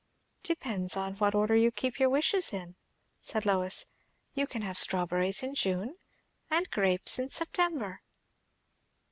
"Depends upon what order you keep your wishes in," said Lois. "You can have strawberries in June and grapes in September."